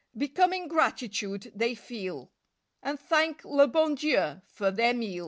Becoming gratitude they feel. And thank le bon Dieii for their meal.